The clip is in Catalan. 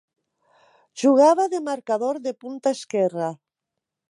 Jugava de marcador de punta esquerra.